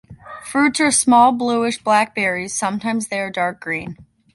Fruits are small bluish black berries, sometimes they are dark green.